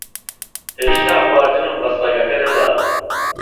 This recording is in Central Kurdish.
ھێشتا خواردنم بە سەگەکە نەداوە.